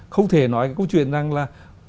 có thể nói cái câu chuyện rằng là